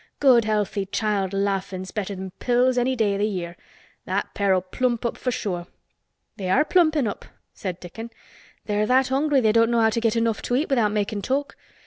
"Good healthy child laughin's better than pills any day o' th' year. That pair'll plump up for sure." "They are plumpin' up," said Dickon. "They're that hungry they don't know how to get enough to eat without makin' talk.